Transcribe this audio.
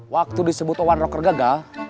waktu disebut one rocker gagal